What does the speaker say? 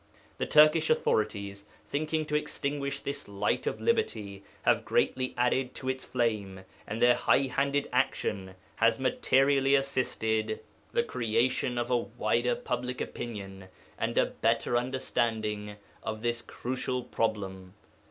The Turkish authorities, thinking to extinguish this light of liberty, have greatly added to its flame, and their high handed action has materially assisted the creation of a wider public opinion and a better understanding of this crucial problem."